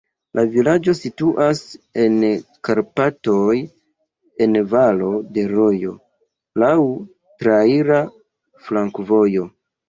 La vilaĝo situas en Karpatoj en valo de rojo, laŭ traira flankovojo.